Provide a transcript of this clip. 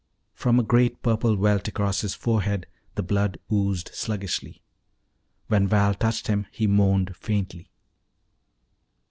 From a great purple welt across his forehead the blood oozed sluggishly. When Val touched him he moaned faintly.